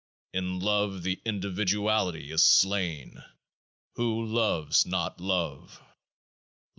In love the individuality is slain ; who loves not love?